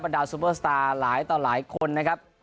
ดาซูเปอร์สตาร์หลายต่อหลายคนนะครับ